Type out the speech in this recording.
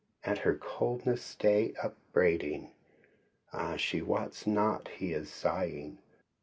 At her coldness stay upbraiding? Ah, she wots not he is sighing.